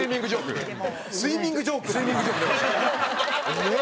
えっ！